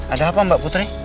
ada apa mbak putri